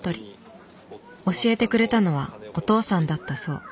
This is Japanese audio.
教えてくれたのはお父さんだったそう。